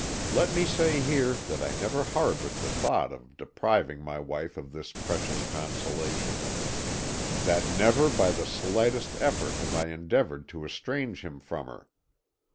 Let me say here that I never harboured the thought of depriving my wife of this precious consolation, that never by the slightest effort have I endeavoured to estrange him from her.